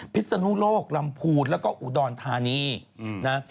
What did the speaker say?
พิษนุโลกลำพูดแล้วก็อุดอนธานีนะฮะ